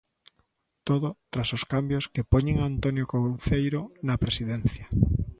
Todo tras os cambios que poñen a Antonio Couceiro na presidencia.